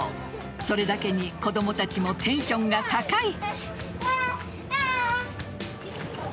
それだけに子供たちもテンションが高い。